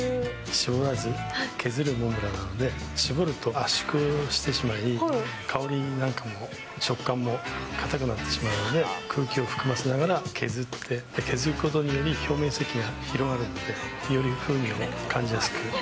しぼらず削るモンブランなのでしぼると圧縮してしまい、香りなんかも食感も堅くなってしまうので、空気を含ませながら削って、削ることにより、表面積が広がるので、より風味を感じやすく。